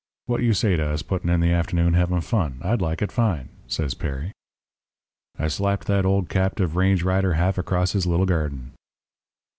What you say to us putting in the afternoon having fun I'd like it fine,' says Perry. "I slapped that old captive range rider half across his little garden.